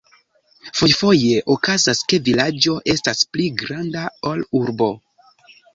Fojfoje okazas, ke vilaĝo estas pli granda ol urbo.